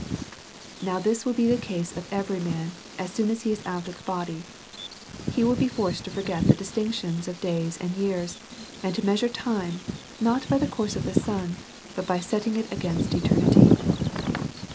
Now, this will be the case of every man as soon as he is out of the body ; he will be forced to forget the distinctions of days and years, and to measure time, not by the course of the sun, but by setting it against eternity.